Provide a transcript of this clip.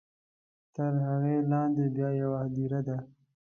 تر هغې لاندې بیا یوه هدیره ده.